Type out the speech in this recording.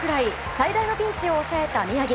最大のピンチを抑えた宮城。